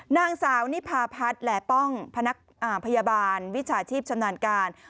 นางสาวนิพาพัฒน์แหล่ป้องพนักพยาบาลวิชาชีพชำนาญการ